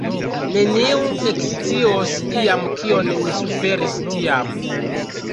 Neniu ekscios iam kion mi suferis tiam.